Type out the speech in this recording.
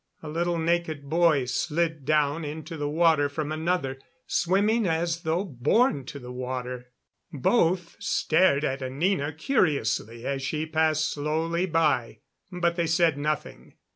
A little naked boy slid down into the water from another, swimming as though born to the water. Both stared at Anina curiously as she passed slowly by, but they said nothing.